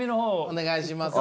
お願いします。